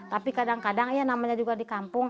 tapi kadang kadang ya namanya juga di kampung